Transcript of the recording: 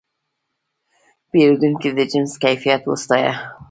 پیرودونکی د جنس کیفیت وستایه.